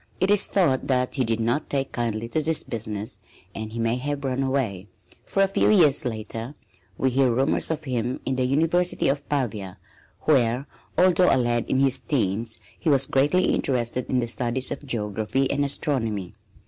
It is thought that he did not take kindly to this business and he may have run away, for a few years later we hear rumors of him in the University of Pavia, where, although a lad in his teens, he was greatly interested in the studies of geography and astronomy.